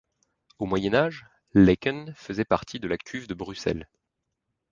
Au Moyen Âge, Laeken faisait partie de la cuve de Bruxelles.